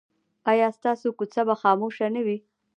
ایا ستاسو کوڅه به خاموشه نه وي؟